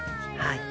はい。